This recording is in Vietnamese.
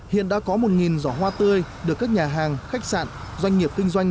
hiện đã có một giỏ hoa tươi được các nhà hàng khách sạn doanh nghiệp kinh doanh